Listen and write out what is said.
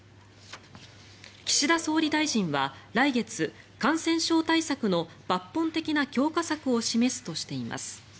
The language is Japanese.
岸田総理大臣は来月感染症対策の抜本的な強化策を示すとしています。